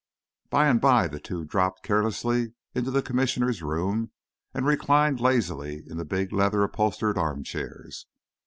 By and by the two dropped carelessly into the Commissioner's room and reclined lazily in the big, leather upholstered arm chairs.